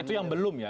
itu yang belum ya